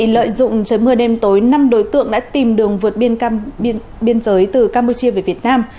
lợi dụng trời mưa đêm tối năm đối tượng đã tìm đường vượt biên giới từ campuchia về việt nam